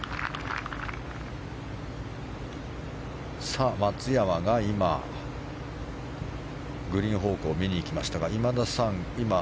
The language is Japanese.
さあ、松山が今グリーン方向を見に行きましたが今田さん。